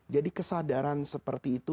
jadi kesadaran seperti itu